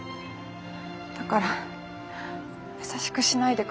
だから優しくしないでください。